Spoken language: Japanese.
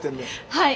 はい。